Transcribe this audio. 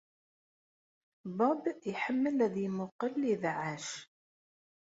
Bob iḥemmel ad yemmuqqel ibeɛɛac.